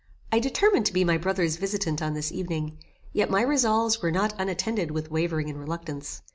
I determined to be my brother's visitant on this evening, yet my resolves were not unattended with wavering and reluctance.